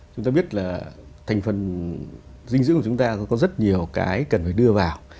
chúng ta biết là thành phần dinh dưỡng của chúng ta có rất nhiều cái cần phải đưa vào